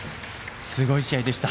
すごい試合でした。